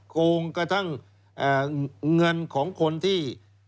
โกงกระทั่งเงินของคนที่